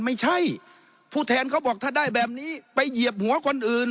ไม่ใช่ผู้แทนเขาบอกถ้าได้แบบนี้ไปเหยียบหัวคนอื่น